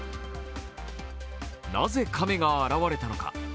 なぜ亀が現れたのか。